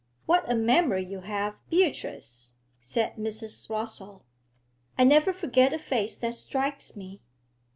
'What a memory you have, Beatrice!' said Mrs. Rossall. 'I never forget a face that strikes me.'